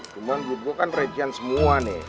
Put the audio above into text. cuman gue kan rejen semua nih